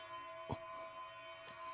あっ！